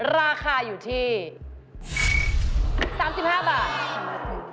ราคาอยู่ที่๓๕บาท